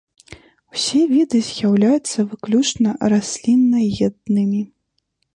Усе віды з'яўляюцца выключна расліннаеднымі.